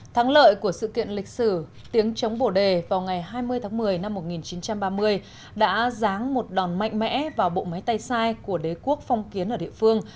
thắng lợi của sự kiện lịch sử tiếng chống bồ đề vào ngày hai mươi tháng một mươi năm một nghìn chín trăm ba mươi đã ráng một đòn mạnh mẽ vào bộ máy tay sai của đế quốc phong kiến ở địa phương